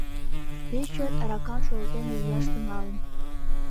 Пеш чот аракам шолтен йӱаш тӱҥалын...